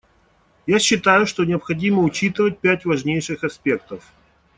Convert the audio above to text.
Я считаю, что необходимо учитывать пять важнейших аспектов.